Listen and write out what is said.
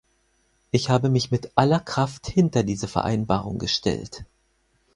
Ich habe mich mit aller Kraft hinter diese Vereinbarung gestellt.